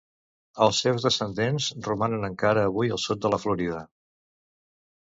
Els seus descendents romanen encara avui al sud de la Florida.